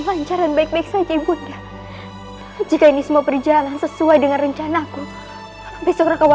lancaran baik baik saja ibu jika ini semua berjalan sesuai dengan rencana aku besok rekawal